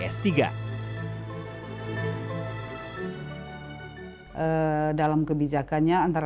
dinas pendidikan kabupaten minahasa utara